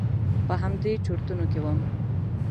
په همدې چرتونو کې وم.